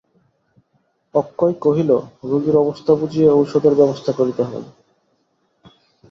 অক্ষয় কহিল, রোগীর অবস্থা বুঝিয়া ঔষধের ব্যবস্থা করিতে হয়।